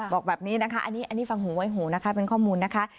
บอกแบบนี้นะคะอันนี้ฟังหูไว้หูนะคะเป็นข้อมูลนะคะ